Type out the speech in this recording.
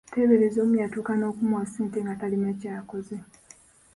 Tebeereza omu yatuuka n’okumuwa ssente nga talina kyakoze.